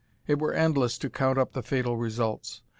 It were endless to count up the fatal results.